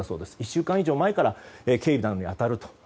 １週間以上前から警備に当たると。